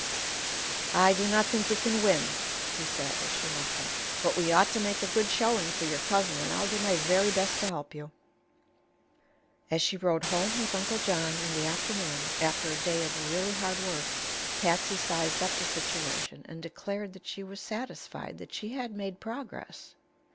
"I do not think we can win," he said, as she left him; "but we ought to make a good showing for your cousin, and I'll do my very best to help you." As she rode home with Uncle John in the afternoon, after a day of really hard work, Patsy sized up the situation and declared that she was satisfied that she had made progress.